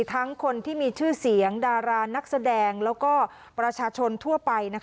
ทั้งคนที่มีชื่อเสียงดารานักแสดงแล้วก็ประชาชนทั่วไป